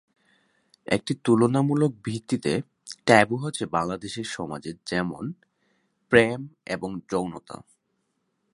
একটি তুলনামূলক ভিত্তিতে ট্যাবু হচ্ছে বাংলাদেশের সমাজে যেমনঃ প্রেম এবং যৌনতা।